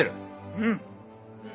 うん。